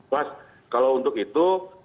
mas kalau untuk itu